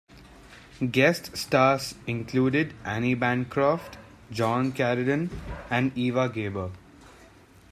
Guest stars included Anne Bancroft, John Carradine, and Eva Gabor.